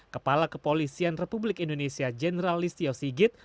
kepala kepolisian republik indonesia jenderal listio sigit